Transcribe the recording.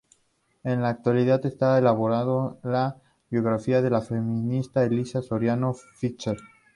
En la actualidad está elaborando la biografía de la feminista Elisa Soriano Fischer.